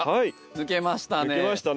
抜けましたね。